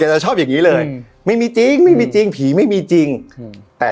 จะชอบอย่างงี้เลยไม่มีจริงไม่มีจริงผีไม่มีจริงอืมแต่